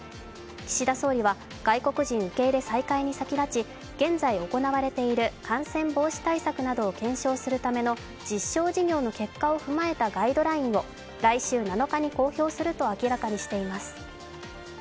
岸田総理は外国人受け入れ再開に先立ち現在行われている感染防止対策などを検証するための実証事業の結果を踏まえたガイドラインを来週７日に公表すると明らかにしています。